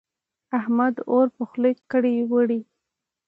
احمد اور په خوله کړې وړي.